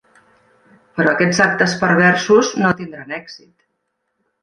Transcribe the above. Però aquests actes perversos no tindran èxit.